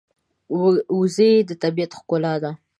وزې د طبیعت ښکلا ده